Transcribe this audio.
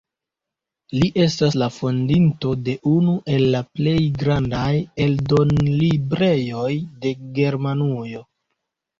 Li estis la fondinto de unu el la plej grandaj eldonlibrejoj de Germanujo.